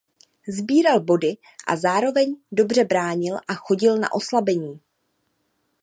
Sbíral body a zároveň dobře bránil a chodil na oslabení.